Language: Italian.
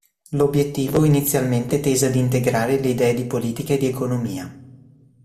L'obiettivo inizialmente tese ad integrare le idee di politica e di economia.